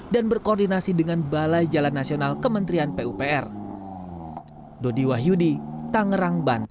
dan berkoordinasi dengan balai jalan nasional kementerian pupr